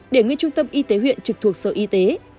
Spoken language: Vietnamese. để nguyên trung tâm y tế huyện trực thuộc sở y tế